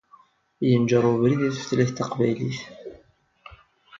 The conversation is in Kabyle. Yenǧeṛ webrid i tutlayt taqbaylit.